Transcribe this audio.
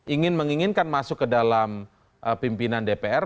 ingin menginginkan masuk ke dalam pimpinan dpr